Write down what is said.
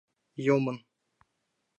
Йомын.